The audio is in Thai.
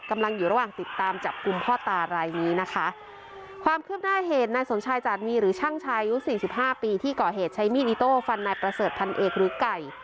กำลังอยู่ระหว่างติดตามจับกลุ่มพ่อตารายนี้นะคะความคืบหน้าเหตุนายสมชายจาดมีหรือช่างชายอายุสี่สิบห้าปีที่ก่อเหตุใช้มีดอิโต้ฟันนายประเสริฐพันเอกหรือไก่